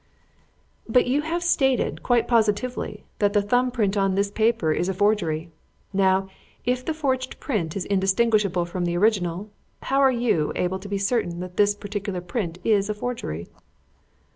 "But you have stated, quite positively, that the thumb print on this paper is a forgery. Now, if the forged print is indistinguishable from the original, how are you able to be certain that this particular print is a forgery?"